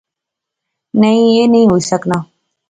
نئیں ایہہ نی ہوئی سکنا